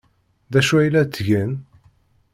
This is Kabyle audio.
D acu ay la ttgen?